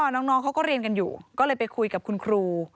น้องเขาก็เรียนกันอยู่ก็เลยไปคุยกับคุณครู